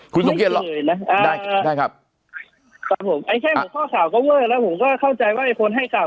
ไม่เคยนะได้ครับครับผมไอ้แค่ผมข้อข่าวก็เว้อแล้วผมก็เข้าใจว่าไอ้คนให้ข่าว